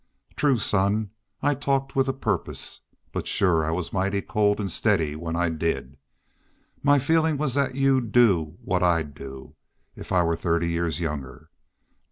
True, son, I talked with a purpose, but shore I was mighty cold an' steady when I did it. My feelin' was that you'd do what I'd do if I were thirty years younger.